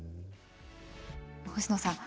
星野さん